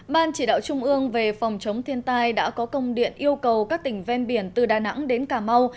ban chỉ đạo trung ương về phòng chống thiên tai đã có công điện yêu cầu các tỉnh ven biển từ đà nẵng đến cà mau